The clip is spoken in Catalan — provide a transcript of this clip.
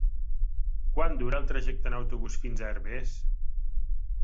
Quant dura el trajecte en autobús fins a Herbers?